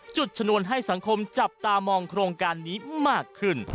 จุดชนวนให้สังคมจับตามองโครงการนี้มากขึ้น